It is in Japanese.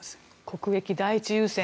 国益第一優先。